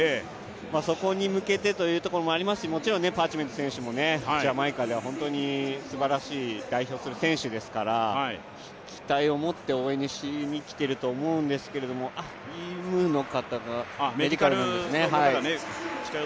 そこに向けてというところもありますし、もちろんパーチメント選手もジャマイカでは本当にすばらしい、代表する選手ですから、期待を持って応援しにきてると思うんですけれども医務の方が。